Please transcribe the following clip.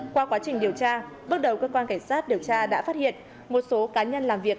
qua quá trình điều tra bước đầu cơ quan cảnh sát điều tra đã phát hiện một số cá nhân làm việc